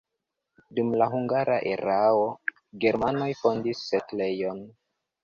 Dum la hungara erao germanoj fondis setlejon.